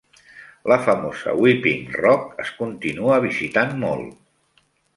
La famosa Weeping Rock es continua visitant molt.